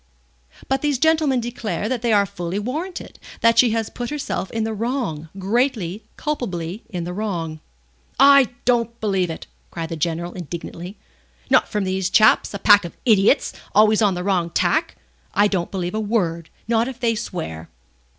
"But these gentlemen declare that they are fully warranted, that she has put herself in the wrong greatly, culpably in the wrong." "I don't believe it!" cried the General, indignantly. "Not from these chaps, a pack of idiots, always on the wrong tack! I don't believe a word, not if they swear."